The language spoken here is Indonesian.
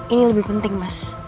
ini lebih penting mas